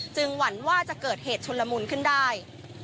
หวั่นว่าจะเกิดเหตุชุนละมุนขึ้นได้